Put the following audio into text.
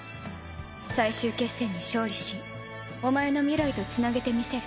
最終決戦に勝利しお前の未来とつなげてみせる。